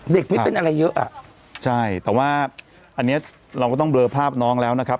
ไม่เป็นอะไรเยอะอ่ะใช่แต่ว่าอันเนี้ยเราก็ต้องเลอภาพน้องแล้วนะครับ